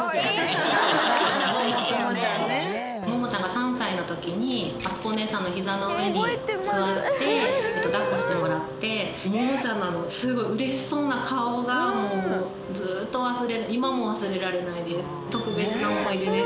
ももちゃんが３歳のときに、あつこお姉さんのひざの上に座って、だっこしてもらって、ももちゃんのすごいうれしそうな顔が、もう、ずっと忘れ、今も忘れられないです。